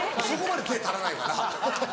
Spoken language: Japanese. そこまで手足らないから。